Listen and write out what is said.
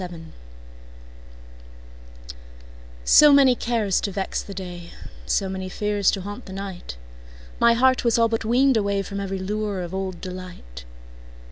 Summer Magic SO many cares to vex the day, So many fears to haunt the night, My heart was all but weaned awayFrom every lure of old delight.